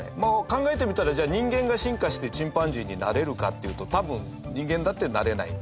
考えてみたらじゃあ、人間が進化してチンパンジーになれるかっていうと多分、人間だってなれない。